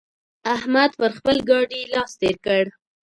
احمد پر خپل ګاډي لاس تېر کړ.